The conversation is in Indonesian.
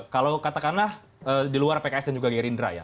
kalau katakanlah di luar pks dan juga gerindra ya